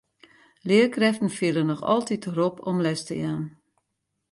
Learkrêften fiele noch altyd de rop om les te jaan.